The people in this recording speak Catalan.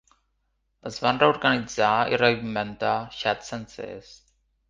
Es van reorganitzar i reinventar xats sencers.